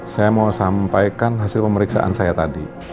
saya mau sampaikan hasil pemeriksaan saya tadi